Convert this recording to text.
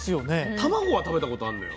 卵は食べたことあんのよ。